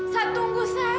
sat tunggu sat